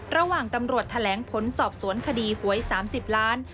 ระหว่างตำรวจแถลงผลสอบสวนคดีหวย๓๐ล้าน